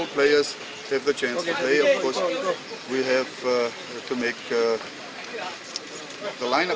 pertarungan tim riedel menemukan tim riedel yang akan menang